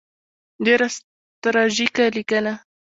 ډېره تراژیکه لیکنه.